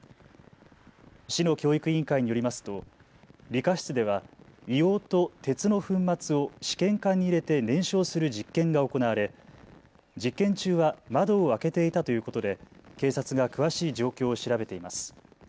市の教育委員会によりますと理科室では硫黄と鉄の粉末を試験管に入れて燃焼する実験が行われ実験中は窓を開けていたということで警察が詳しい状況を調べています。